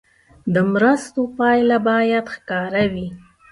د مرستو پایله باید ښکاره وي.